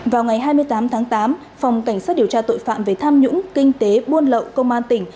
vào ngày hai mươi tám tháng tám phòng cảnh sát điều tra tội phạm về tham nhũng kinh tế buôn lậu công an tỉnh